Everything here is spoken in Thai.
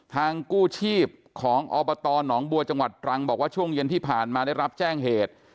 กู้ชีพของอบตหนองบัวจังหวัดตรังบอกว่าช่วงเย็นที่ผ่านมาได้รับแจ้งเหตุ